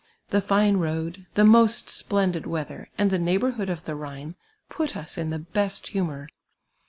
The fine road, the most splendid weather, and the neighbourhood of the Khine, put us in the best humour.